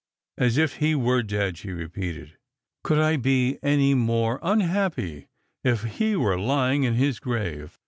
As if he were dead," she repeated. " Could I be any more unhappy if he were lying in his grave